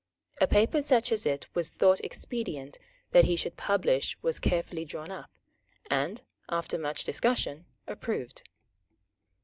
A paper such as it was thought expedient that he should publish was carefully drawn up, and, after much discussion, approved.